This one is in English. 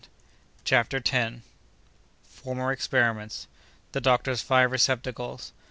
CHAPTER TENTH. Former Experiments.—The Doctor's Five Receptacles.